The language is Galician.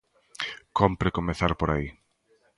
Compre comezar por aí.